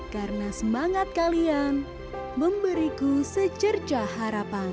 karena semangat kalian memberiku secerca harapan